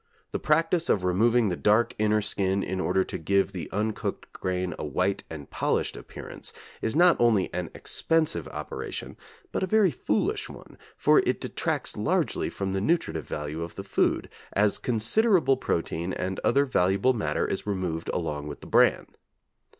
The practice of removing the dark inner skin in order to give the uncooked grain a white and polished appearance, is not only an expensive operation, but a very foolish one, for it detracts largely from the nutritive value of the food, as considerable protein and other valuable matter is removed along with the bran.